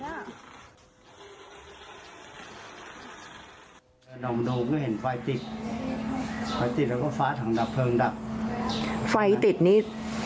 ลองดูก็เห็นไฟติดไฟติดแล้วก็ฟ้าถังดับเพลิงดับไฟติดนี่